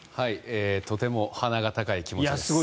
とても鼻が高い気持ちです。